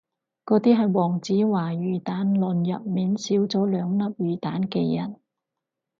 嗰啲係黃子華魚蛋論入面少咗兩粒魚蛋嘅人